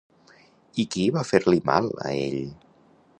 I qui va fer-li mal a ell?